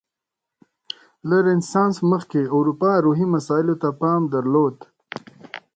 له رنسانس مخکې اروپا روحي مسایلو ته پام درلود.